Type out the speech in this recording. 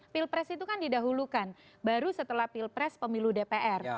pilpres itu kan didahulukan baru setelah pilpres pemilu dpr